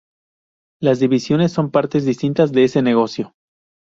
Las divisiones son partes distintas de ese negocio.